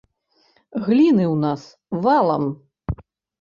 Гліны ў нас валам.